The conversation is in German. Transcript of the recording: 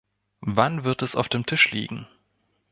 Wann wird es auf dem Tisch liegen?